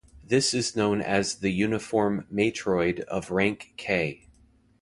This is known as the uniform matroid of rank "k".